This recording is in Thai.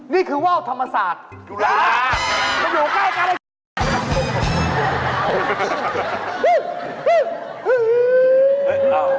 นี้คือเว้าธรรมศาสตร์จุฬาจุฬา